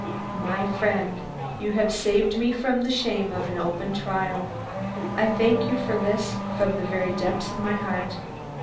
My friend: You have saved me from the shame of an open trial. I thank you for this from the very depth of my heart.